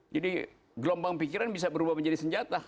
jadi gelombang pikiran bisa berubah menjadi senjata